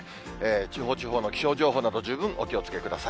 地方地方の気象情報など、十分お気をつけください。